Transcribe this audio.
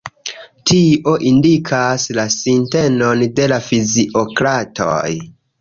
Tio indikas la sintenon de la fiziokratoj.